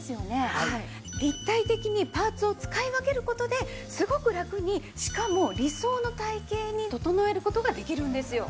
立体的にパーツを使い分ける事ですごくラクにしかも理想の体形に整える事ができるんですよ。